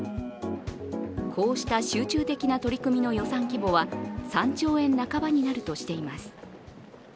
こうした集中的な取り組みの予算規模は３兆円半ばになるとしています。